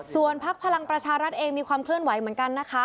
ส่วนพักพลังประชารัฐเองมีความเคลื่อนไหวเหมือนกันนะคะ